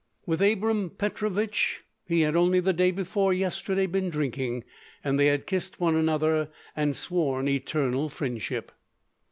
With Abram Petrovich he had only the day before yesterday been drinking, and they had kissed one another and sworn eternal friendship.